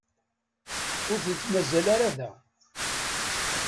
Ur tent-mazal ara da.